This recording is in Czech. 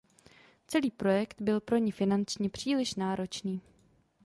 Celý projekt byl pro ni finančně příliš náročný.